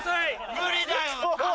無理だよ！